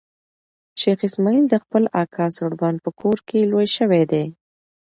شېخ اسماعیل د خپل اکا سړبن په کور کښي لوی سوی دئ.